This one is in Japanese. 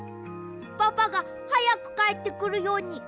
パパがはやくかえってくるように！